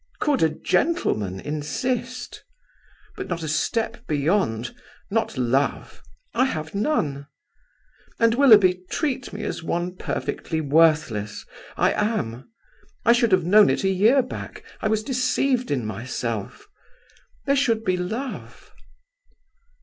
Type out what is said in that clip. Could a gentleman insist? But not a step beyond; not love; I have none. And, Willoughby, treat me as one perfectly worthless; I am. I should have known it a year back. I was deceived in myself. There should be love."